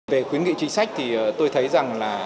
về khuyến nghị chính sách thì tôi thấy rằng là